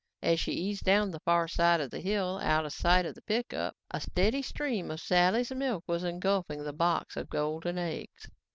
As she eased down the far side of the hill out of sight of the pickup, a steady stream of Sally's milk was engulfing the box of golden eggs.